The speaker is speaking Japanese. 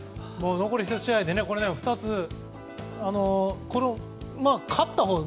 残り１試合で２つ、勝ったほうが。